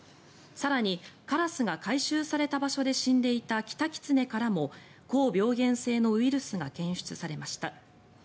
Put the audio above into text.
更に、カラスが回収された場所で死んでいたキタキツネからも高病原性のウイルスが検出されました。